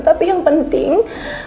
tapi yang penting